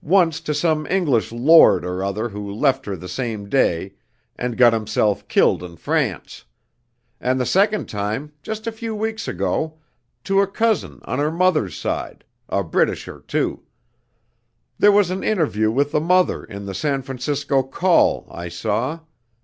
Once to some English lord or other who left her the same day, and got himself killed in France; and the second time, just a few weeks ago, to a cousin on her mother's side a Britisher, too. There was an interview with the mother in the San Francisco Call, I saw.